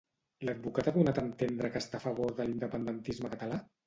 L'advocat ha donat a entendre que està a favor de l'independentisme català?